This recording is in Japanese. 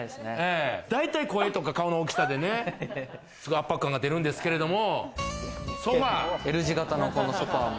だいたい声とか顔の大きさでね、圧迫感が出るんですけれども。